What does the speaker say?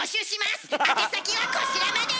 宛先はこちらまで！